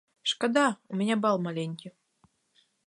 Шкада, у мяне бал маленькі.